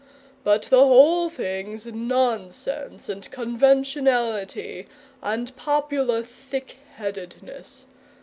But the whole thing's nonsense, and conventionality, and popular thick headedness.